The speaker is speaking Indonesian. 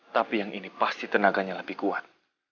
tapi yang ini pasti tenaganya lebih kuat